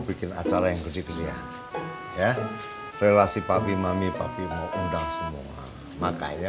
bikin acara yang kecil kecil ya relasi papi mami tapi mau undang semua makanya